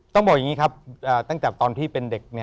ต้องบอกอย่างนี้ครับตั้งแต่ตอนที่เป็นเด็ก